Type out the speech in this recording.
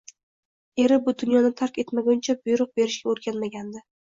Eri bu dunyoni tark etmaguncha buyruq berishga o`rganmagandi